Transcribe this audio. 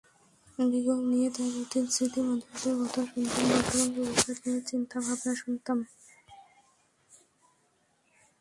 বেগম নিয়ে তাঁর অতীত স্মৃতি-মাধুর্যের কথা শুনতাম, বর্তমান-ভবিষ্যৎ নিয়ে চিন্তা-ভাবনা শুনতাম।